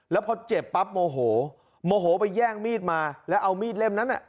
แล้วพอเจ็บปั๊บโมโหโมโหไปแย่งมีดมาแล้วเอามีดเล่มนั้น